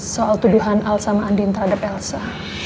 soal tuduhan al sama andin terhadap elsa